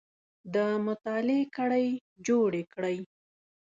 د مطالعې کړۍ جوړې کړئ